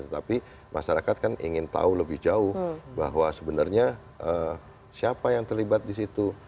tetapi masyarakat kan ingin tahu lebih jauh bahwa sebenarnya siapa yang terlibat di situ